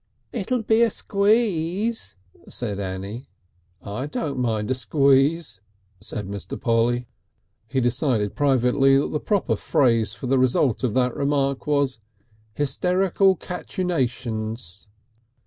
"It'll be a squeeze," said Annie. "I don't mind a squeeze," said Mr. Polly. He decided privately that the proper phrase for the result of that remark was "Hysterial catechunations."